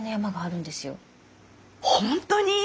本当に！？